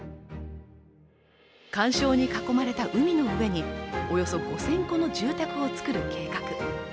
環礁に囲まれた海の上におよそ５０００戸の住宅を造る計画。